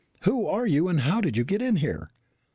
"Who are you and how did you get in here?"